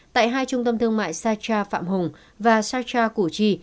tại hai trung tâm thương mại satra phạm hùng và satra củ chi